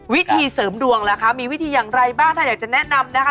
วิธีเสริมดวงล่ะคะมีวิธีอย่างไรบ้างถ้าอยากจะแนะนำนะคะ